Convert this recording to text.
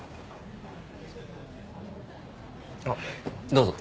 あっどうぞ。